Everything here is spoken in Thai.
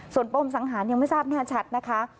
ส่วนปมสังหารยังไม่ทราบแน่ชัดนะคะ